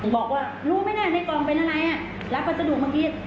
บอกว่ารู้ไหมเนี่ยในกล่องเป็นอะไรรับวัสดุเมื่อกี้